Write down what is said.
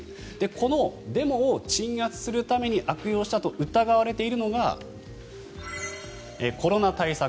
このデモを鎮圧するために悪用したと疑われているのがコロナ対策